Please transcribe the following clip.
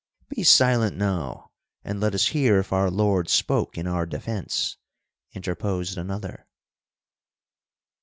"Be silent now, and let us hear if our Lord spoke in our defense!" interposed another.